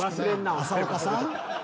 浅岡さん？